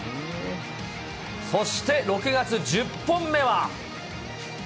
そして６月１０本目は。